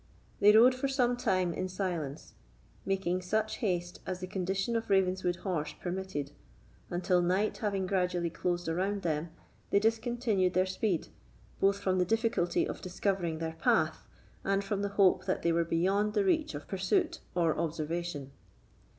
They rode for some time in silence, making such haste as the condition of Ravenswood's horse permitted, until night having gradually closed around them, they discontinued their speed, both from the difficulty of discovering their path, and from the hope that they were beyond the reach of pursuit or observation.